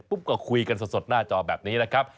ปุ๊บก็คุยกันสดหน้าจอแบบนี้แหละครับ